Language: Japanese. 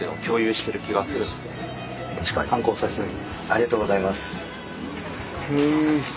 ありがとうございます。